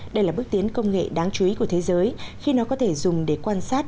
đây là bước tiến công nghệ đáng chú ý của thế giới khi nó có thể dùng để quan sát